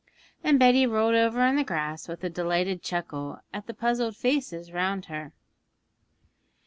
And Betty rolled over in the grass with a delighted chuckle at the puzzled faces round her.